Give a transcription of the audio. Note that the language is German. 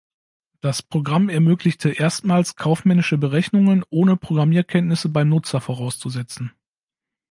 Das Programm ermöglichte erstmals kaufmännische Berechnungen, ohne Programmierkenntnisse beim Nutzer vorauszusetzen.